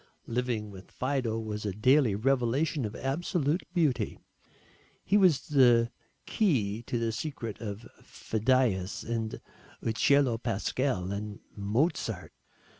Living with Fido was a daily revelation of absolute beauty. He was the key to the secret of Phidias and Ucello Pascal and Mozart.